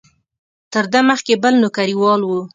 تر ده مخکې بل نوکریوال و.